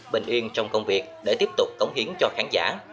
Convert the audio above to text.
bình yên trong công việc để tiếp tục cống hiến cho khán giả